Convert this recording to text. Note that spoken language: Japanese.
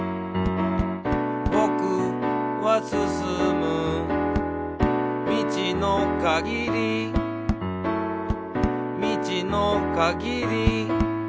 「ぼくはすすむ」「みちのかぎり」「みちのかぎり」